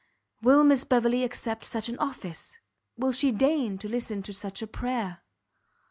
Will Miss Beverley accept such an office? Will she deign to listen to such a prayer?"